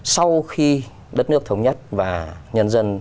sau khi đất nước thống nhất và nhân dân